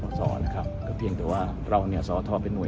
ผู้ต้องหาตามไหมจับบางท่านเนี้ยพักอาศัยอยู่นะครับเป็นการปฏิบัติหน้าที่นะครับ